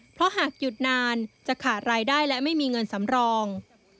เพราะหากหยุดนานจะขาดรายได้และไม่มีเงินสำรอง